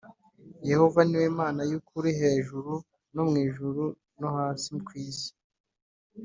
Yehova ni we Mana y’ukuri hejuru mu ijuru no hasi ku isi.